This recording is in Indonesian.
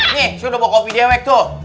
nih sudah bawa kopi diamek tuh